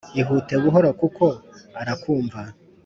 ihute buhoro kuko ara kumva